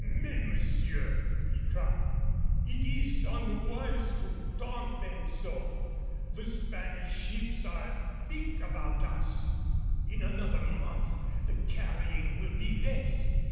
"Mais, monsieur," he cried, "it is unwise to taunt them so. The Spanish ships are thick about us. In another month the carrying will be less.